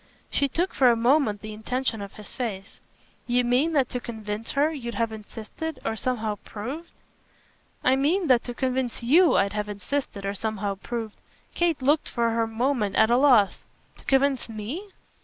She took for a moment the intention of his face. "You mean that to convince her you'd have insisted or somehow proved ?" "I mean that to convince YOU I'd have insisted or somehow proved !" Kate looked for her moment at a loss. "To convince 'me'?"